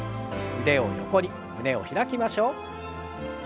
腕を横に胸を開きましょう。